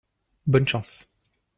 Bonne chance !